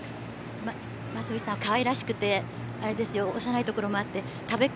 増渕さんはかわいらしくて幼いところもあって食べっこ